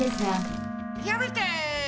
やめて！